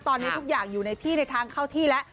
ตอนนี้ทุกอย่างอยู่ในที่ในทางเข้าที่แล้ว